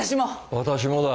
私もだ。